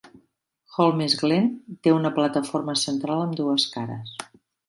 Holmesglen té una plataforma central amb dues cares.